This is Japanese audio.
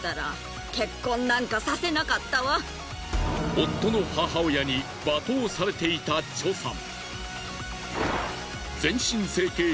夫の母親に罵倒されていたチョさん。